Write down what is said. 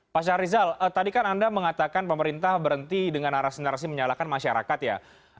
pak syahrizal tadi kan anda mengatakan pemerintah berhenti dengan narasi narasi menyalahkan masyarakat ya